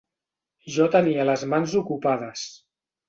Jo tenia les mans ocupades.